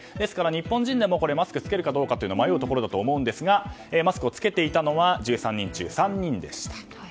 日本人でもマスクを着けるか迷うところだと思うんですがマスクを着けていたのは１３人中３人でした。